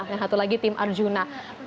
yang satu lagi tim arjuna